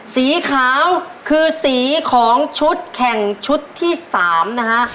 สีขาวคือสีของชุดแข่งชุดที่๓นะฮะ